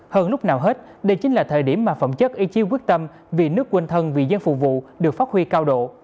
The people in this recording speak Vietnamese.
hơn lúc nào hết đây chính là thời điểm mà phẩm chất y chiêu quyết tâm vì nước quân thân vì dân phụ vụ được phát huy cao độ